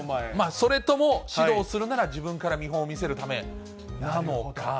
それとも、始動するなら自分から見本を見せるためなのか。